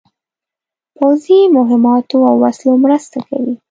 پوځي مهماتو او وسلو مرسته کوي.